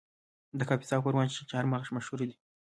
د کاپیسا او پروان چهارمغز مشهور دي